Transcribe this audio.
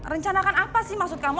rencanakan apa sih maksud kamu